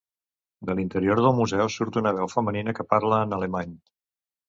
De l'interior del museu surt una veu femenina que parla en alemany.